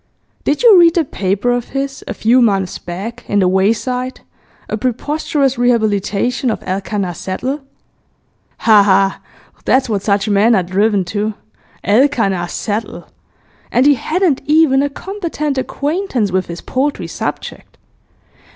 Did you read a paper of his, a few months back, in The Wayside, a preposterous rehabilitation of Elkanah Settle? Ha! Ha! That's what such men are driven to. Elkanah Settle! And he hadn't even a competent acquaintance with his paltry subject.